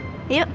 yuk kita bubuk